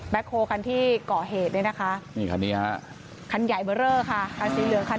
แบ็คโคลที่เกาะเหตุคันใหญ่เบอร์เลอร์คันสีเหลือง